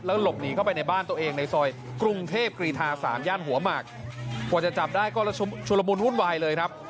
หลบหนีเข้าไปในบ้านตัวเองในซอยกรุงเทพกรีธา๓ย่านหัวหมากกว่าจะจับได้ก็ชุลมุนวุ่นวายเลยครับ